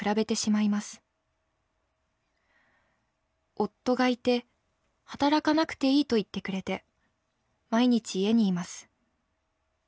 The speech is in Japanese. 夫がいて働かなくて良いと言ってくれて毎日家にいます。